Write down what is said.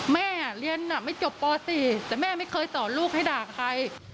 แม่เรียนไม่จบป๔แต่แม่ไม่เคยสอนลูกให้ด่าใคร